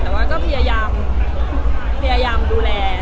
แต่ก็จะพยายามดูแล